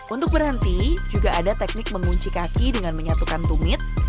untuk berhenti juga ada teknik mengunci kaki dengan menyatukan tumit